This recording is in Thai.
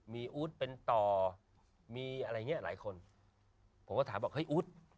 มีอู๊ดเป็นต่อมีอะไรอย่างเงี้ยหลายคนผมก็ถามบอกเฮ้ยอู๊ด